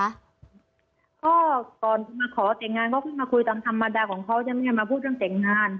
ก็ก่อนมาขอแต่งงานก็เพิ่งมาคุยตามธรรมดาของเขาใช่ไหมมาพูดเรื่องแต่งงาน